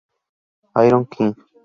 Iron King